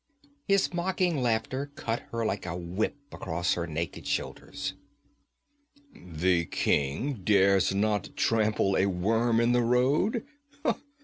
His mocking laughter cut her like a whip across her naked shoulders. 'The king dares not trample a worm in the road?